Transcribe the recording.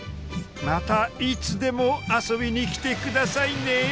またいつでも遊びに来て下さいね。